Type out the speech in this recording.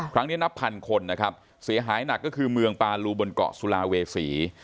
นับพันคนนะครับเสียหายหนักก็คือเมืองปาลูบนเกาะสุลาเวษี